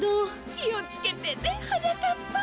きをつけてねはなかっぱ。